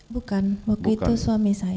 bukan waktu itu suami saya